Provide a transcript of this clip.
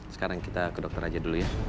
sekarang kita ke dokter aja dulu ya